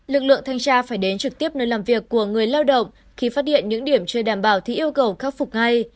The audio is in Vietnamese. lực lượng thanh tra phải đến trực tiếp nơi làm việc của người lao động khi phát điện những điểm chưa đảm bảo thì yêu cầu khắc phục ngay